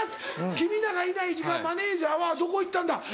君らがいない時間マネジャーは「どこ行ったんだ？